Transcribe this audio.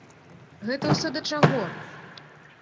Гэта ўсё да чаго?